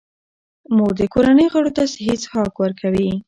مور د کورنۍ غړو ته صحي څښاک ورکوي.